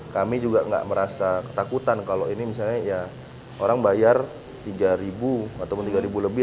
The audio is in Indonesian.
kita juga nggak merasa ketakutan kalau ini misalnya ya orang bayar rp tiga atau rp tiga lebih